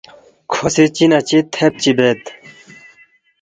کھو سی چی نہ چی تھیب چی بید